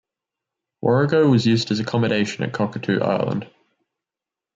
"Warrego" was used as accommodation at Cockatoo Island.